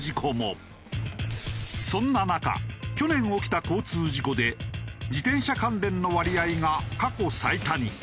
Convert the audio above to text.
そんな中去年起きた交通事故で自転車関連の割合が過去最多に。